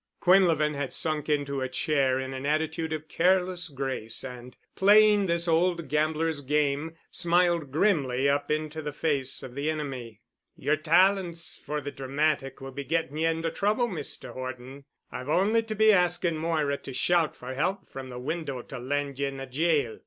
Quinlevin had sunk into a chair in an attitude of careless grace and playing this old gambler's game smiled grimly up into the face of the enemy. "Yer talents for the dramatic will be getting ye into trouble, Mr. Horton. I've only to be asking Moira to shout for help from the window to land ye in a jail.